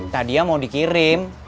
tadinya mau dikirim